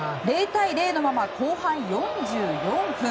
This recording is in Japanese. ０対０のまま後半４４分。